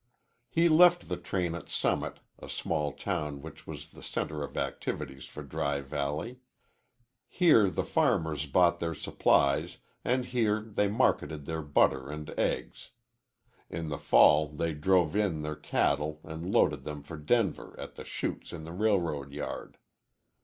He left the train at Summit, a small town which was the center of activities for Dry Valley. Here the farmers bought their supplies and here they marketed their butter and eggs. In the fall they drove in their cattle and loaded them for Denver at the chutes in the railroad yard.